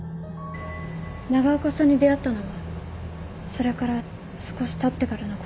長岡さんに出会ったのはそれから少したってからのことです。